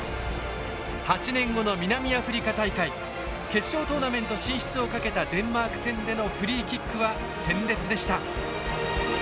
決勝トーナメント進出をかけたデンマーク戦でのフリーキックは鮮烈でした。